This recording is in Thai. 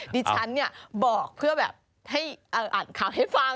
ดิฉันบอกเพื่อแบบให้อ่านข่าวให้ฟัง